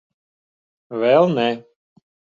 Vēl ne.